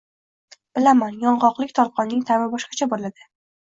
Bilaman, yong‘oqli tolqonning ta’mi boshqacha bo‘ladi.